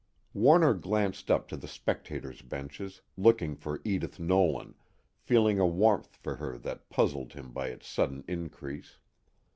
_ Warner glanced up to the spectators' benches, looking for Edith Nolan, feeling a warmth for her that puzzled him by its sudden increase.